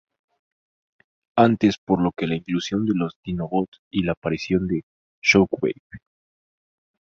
Antes por lo que la inclusión de los Dinobots y la aparición de Shockwave.